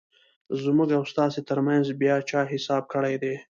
زموږ او ستاسو ترمنځ بیا چا حساب کړیدی؟